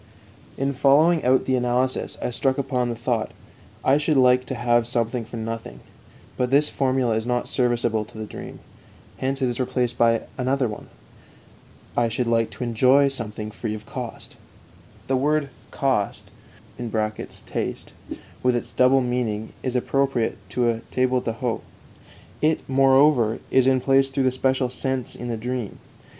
In following out the analysis I struck upon the thought: I should like to have something for nothing. But this formula is not serviceable to the dream. Hence it is replaced by another one: "I should like to enjoy something free of cost." The word "kost" (taste), with its double meaning, is appropriate to a table d'hôte; it, moreover, is in place through the special sense in the dream.